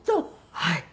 はい。